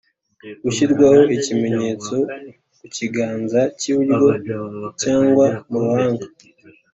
gushyirwaho ikimenyetso ku kiganza cy’iburyo cyangwa mu ruhanga,